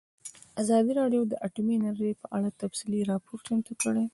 ازادي راډیو د اټومي انرژي په اړه تفصیلي راپور چمتو کړی.